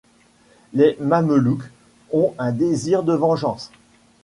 Les mamelouks ont un désir de vengeance.